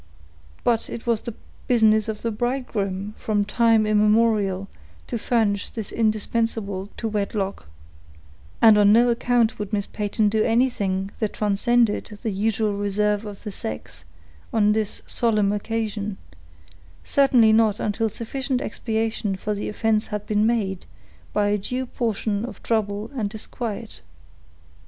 But it was the business of the bridegroom, from time immemorial, to furnish this indispensable to wedlock, and on no account would Miss Peyton do anything that transcended the usual reserve of the sex on this solemn occasion; certainly not until sufficient expiation for the offense had been made, by a due portion of trouble and disquiet.